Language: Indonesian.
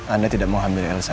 anda tidak mau ambil elsa